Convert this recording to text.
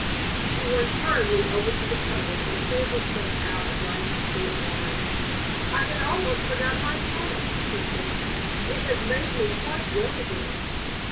She went hurriedly over to the cupboard and poured herself out a glass of port wine. "I had almost forgotten my tonic," she said. "It has made me quite well again."